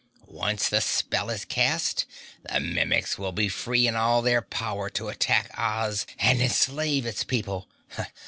Once the spell is cast, the Mimics will be free in all their power to attack Oz and enslave its people.